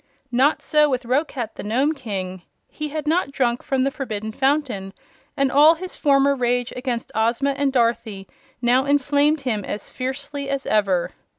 Not so with Roquat, the Nome King. He had not drunk from the Forbidden Fountain and all his former rage against Ozma and Dorothy now inflamed him as fiercely as ever.